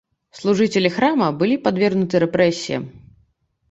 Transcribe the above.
Служыцелі храма былі падвергнуты рэпрэсіям.